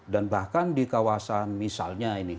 dan bahkan di kawasan misalnya ini